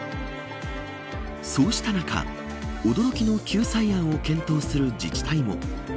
そうした中驚きの救済案を検討する自治体も。